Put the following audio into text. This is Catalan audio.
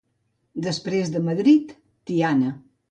Després de Madrid, Tiana.